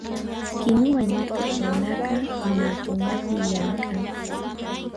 Kinuwa ñutuq runaqa ñutunapi llamk'an.